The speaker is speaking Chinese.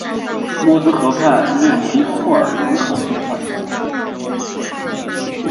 默兹河畔热尼库尔人口变化图示